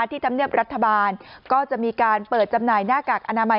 ธรรมเนียบรัฐบาลก็จะมีการเปิดจำหน่ายหน้ากากอนามัย